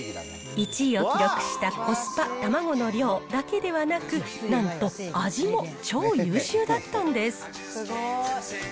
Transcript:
１位を記録したコスパ、たまごの量だけではなく、なんと味も超優秀だったんです。